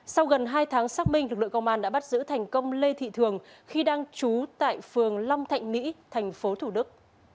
sau gần hai tháng xác minh lực lượng công an đã bắt giữ thành công lê thị thường khi đang trú tại phường long thạnh mỹ tp thủ đức